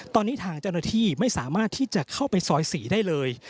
ตอนนี้ทางจรภิไม่สามารถที่จะเข้าไปซอย๔ได้เลย